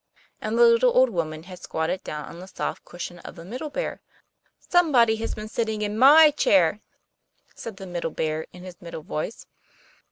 And the little old woman had squatted down the soft cushion of the Middle Bear. 'Somebody Has Been Sitting In My Chair!' said the Middle Bear, in his middle voice.